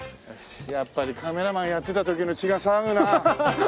やっぱりカメラマンやってた時の血が騒ぐなあ。